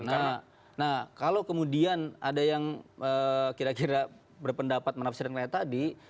nah kalau kemudian ada yang kira kira berpendapat menafsirkan kayak tadi